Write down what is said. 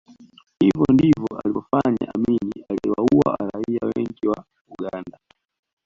Hivyo ndivyo alivyofanya Amin aliwaua raia wengi wa Uganda